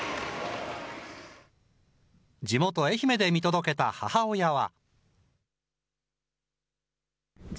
地元、愛媛で見届けた母親は。